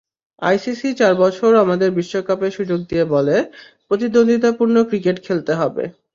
ICC চার বছর আমাদের বিশ্বকাপে সুযোগ দিয়ে বলে, প্রতিদ্বন্দ্বিতাপূর্ণ ক্রিকেট খেলতে হবে।